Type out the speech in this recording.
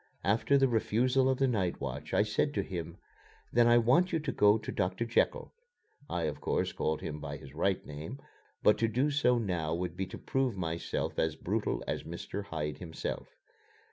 After the refusal of the night watch, I said to him: "Then I want you to go to Doctor Jekyll" (I, of course, called him by his right name; but to do so now would be to prove myself as brutal as Mr. Hyde himself).